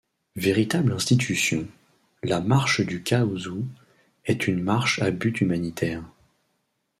Véritable institution, la marche du Caousou est une marche à but humanitaire.